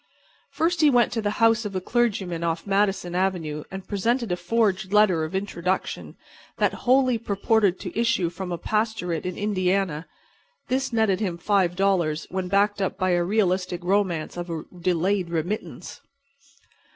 First he went to the house of a clergyman off Madison avenue and presented a forged letter of introduction that holily purported to issue from a pastorate in Indiana. This netted him $5 when backed up by a realistic romance of a delayed remittance.